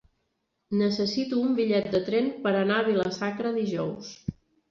Necessito un bitllet de tren per anar a Vila-sacra dijous.